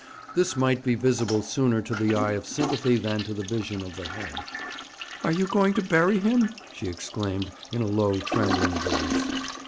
This might be visible sooner to the eye of sympathy than to the vision of the head. 'Are you going to bury him?' she exclaimed, in a low, trembling voice.